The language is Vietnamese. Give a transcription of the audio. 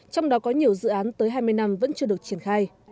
trong đó có nhiều dự án tới hai mươi năm vẫn chưa được triển khai